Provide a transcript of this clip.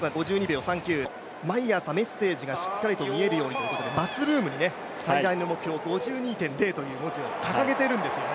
毎朝メッセージがしっかり見えるようにということで、バスルームに最大の目標５２．０というイメージを掲げているんですよね。